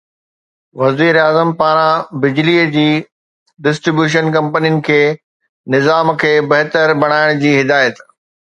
وزيراعظم پاران بجلي جي ڊسٽري بيوشن ڪمپنين کي نظام کي بهتر بڻائڻ جي هدايت